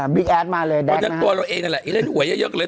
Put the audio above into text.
มีแอดมาเลยตัวเราเองนั่นแหละหอยเออนะฮะครับผมน้องอืม